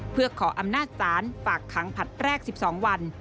เพื่อขออำนาจศาลฝากขังผลัดแรก๑๒วัน